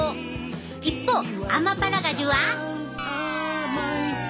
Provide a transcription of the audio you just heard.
一方アマパラガジュは。